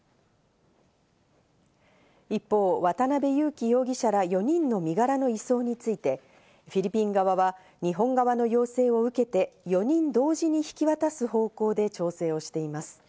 一方、渡辺優樹容疑者ら４人の身柄の移送について、フィリピン側は、日本側の要請を受けて、４人同時に引き渡す方向で調整をしています。